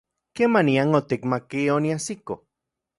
¿Kemanian otikmatki oniajsiko?